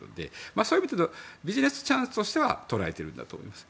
そういう意味でいうとビジネスチャンスと捉えていると思います。